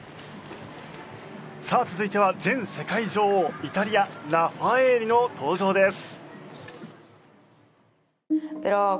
さあ続いては前世界女王イタリアラファエーリの登場です。